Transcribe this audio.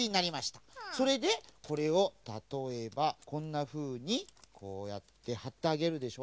それでこれをたとえばこんなふうにこうやってはってあげるでしょ。